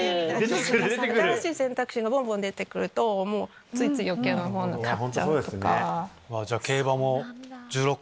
新しい選択肢が出てくるとつい余計な物買っちゃうとか。